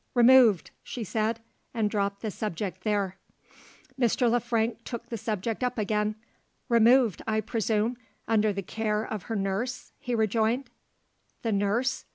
"Removed," she said, and dropped the subject there. Mr. Le Frank took the subject up again. "Removed, I presume, under the care of her nurse?" he rejoined. The nurse?